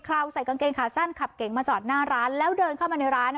เราใส่กางเกงขาสั้นขับเก๋งมาจอดหน้าร้านแล้วเดินเข้ามาในร้าน